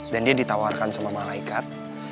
dan dia ditawarkan sama malaikat